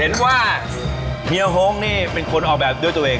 เห็นว่าเฮียโฮงนี่เป็นคนออกแบบด้วยตัวเอง